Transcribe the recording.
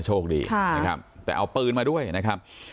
โชคดีนะครับแต่เอาปืนมาด้วยนะครับ